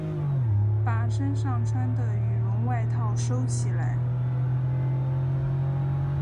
把身上穿的羽绒外套收起来